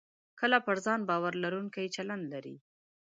کله پر ځان باور لرونکی چلند لرئ